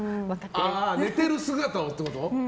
寝てる姿をってこと？